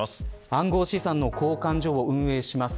暗号資産の交換所を運営します